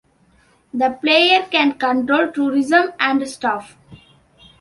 The player can control tourism and staff.